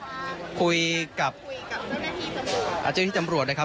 คุยกับเจ้าหน้าที่จำรวจนะครับ